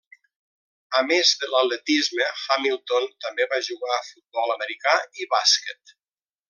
A més de l'atletisme Hamilton també va jugar a futbol americà i bàsquet.